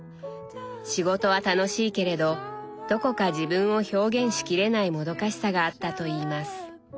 仕事は楽しいけれどどこか自分を表現しきれないもどかしさがあったといいます。